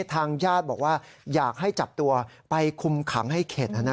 ทางญาติบอกว่าอยากให้จับตัวไปคุมขังให้เข็ด